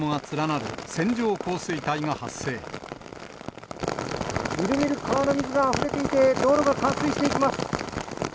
みるみる川の水があふれていて、道路が冠水していきます。